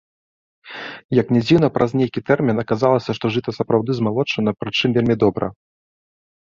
Як ні дзіўна, праз нейкі тэрмін аказалася, што жыта сапраўды змалочана, прычым вельмі добра.